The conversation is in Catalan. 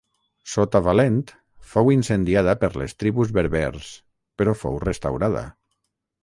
Sota Valent fou incendiada per les tribus berbers però fou restaurada.